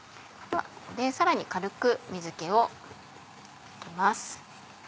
さらに軽く水気を拭きます。